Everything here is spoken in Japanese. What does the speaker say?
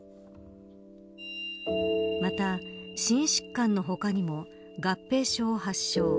また心疾患の他にも合併症を発症。